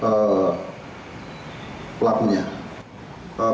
pengendaranya itu terbukti melakukan pelanggaran